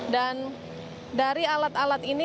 dan dari alat alat ini